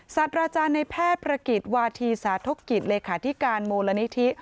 สัตว์อาจารย์ในแพทย์ประกิจวาธีสาธกกิจเลขาธิการมูลนิธิ